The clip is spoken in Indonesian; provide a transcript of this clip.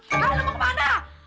hah lo mau kemana